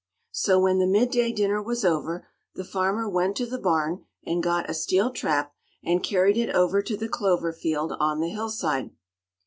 So, when the midday dinner was over, the farmer went to the barn and got a steel trap, and carried it over to the clover field on the hillside.